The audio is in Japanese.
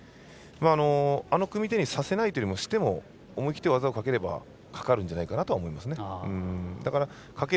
あの組み手にさせないというかしても思い切って技をかければかかるんじゃないですかね。